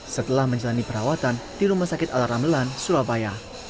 setelah menjalani perawatan di rumah sakit ala ramelan surabaya